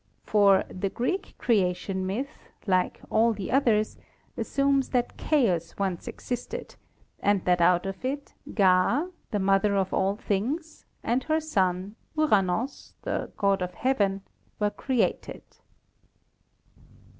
For, the Greek creation myth, like all the others, assumes that 6 ASTRONOMY chaos once existed and that out of it Gaa, the mother of all things, and her son, Uranos, the god of heaven, were created.